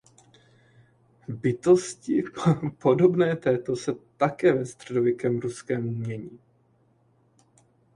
Bytosti podobné této se také ve středověkém ruském umění.